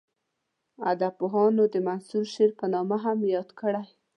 ادبپوهانو د منثور شعر په نامه هم یاد کړی.